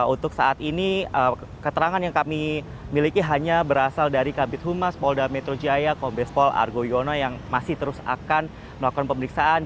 untuk saat ini keterangan yang kami miliki hanya berasal dari kabit humas polda metro jaya kombespol argo yono yang masih terus akan melakukan pemeriksaan